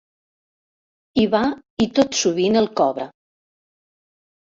Hi va i tot sovint el cobra.